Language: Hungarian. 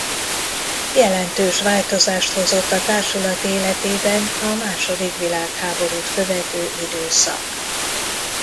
Jelentős változást hozott a társulat életében a második világháborút követő időszak.